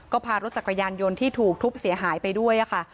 ก็พารถจักรยานยนต์ที่ถูกทุบเสียหายไปด้วยค่ะ